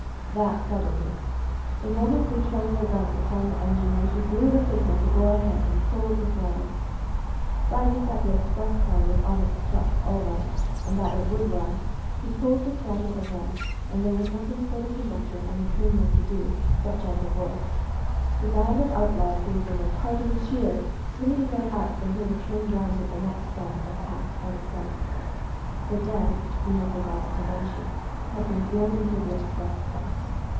That settled it. The moment they turned their guns upon the engineer he blew the signal to go ahead, and pulled the throttle. Finding that the express car was on its trucks all right, and that it would run, he pulled the throttle again, and there was nothing for the conductor and trainmen to do but jump aboard. The band of outlaws gave them a parting cheer, swinging their hats until the train rounded the next bend and passed out of sight. The dead, we have forgotten to mention, had been thrown into the express car.